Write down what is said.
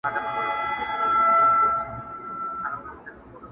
چي هر څوک د ځان په غم دي!!